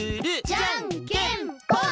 じゃんけんぽん！